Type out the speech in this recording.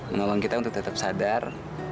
menolong kita untuk tetap sadar